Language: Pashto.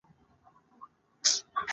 د سروبي باغونه انار لري.